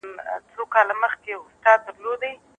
د ځوانانو روغتیا ته څه پاملرنه کیږي؟